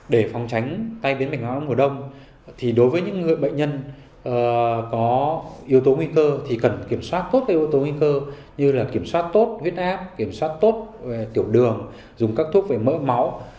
để phòng tránh tai biến mạch máu não mùa đông đối với những người bệnh nhân có yếu tố nguy cơ thì cần kiểm soát tốt yếu tố nguy cơ như kiểm soát tốt huyết áp kiểm soát tốt tiểu đường dùng các thuốc về mỡ máu